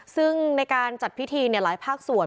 ซึ่งในการจัดพิธีหลายภาคส่วน